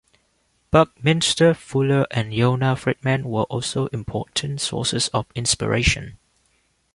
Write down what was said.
Buckminster Fuller and Yona Friedman were also important sources of inspiration.